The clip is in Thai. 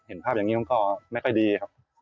เห็นภาพอย่างนี้มันก็ไม่ค่อยดีครับ